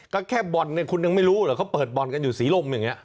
ก็แค่บ่อนเนี่ยคุณยังไม่รู้เหรอเขาเปิดบ่อนกันอยู่ศรีลมอย่างนี้